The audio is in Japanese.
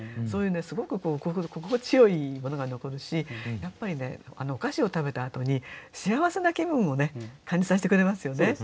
そういうすごく心地よいものが残るしやっぱりねお菓子を食べたあとに幸せな気分を感じさせてくれますよね。